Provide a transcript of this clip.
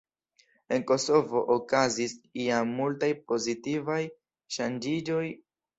En Kosovo okazis jam multaj pozitivaj ŝanĝiĝoj.